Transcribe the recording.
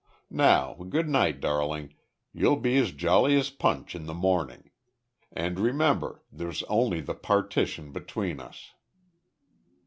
Now good night, darling, you'll be as jolly as Punch in the morning. And remember, there's only the partition between us."